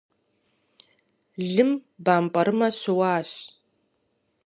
Лым бампӏэрымэ щыуащ.